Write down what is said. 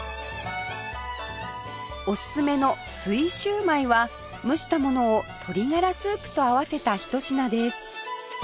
おすすめの水焼売は蒸したものを鶏ガラスープと合わせたひと品です